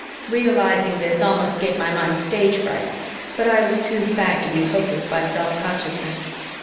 Realizing this almost gave my mind stage fright, but I was too fagged to be hocused by self consciousness.